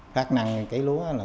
phát năng cây lúa